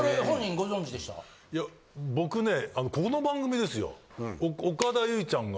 いや、僕ね、この番組ですよ。